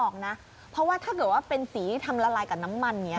ขณะนี้อะไรนะ